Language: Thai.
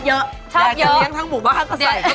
อยากจะเลี้ยงทั้งหมูบ้างก็ใส่